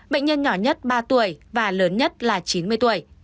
bệnh nhân nhỏ nhất ba tuổi và lớn nhất là chín mươi tuổi